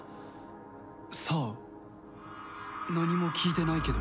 さあ何も聞いてないけど。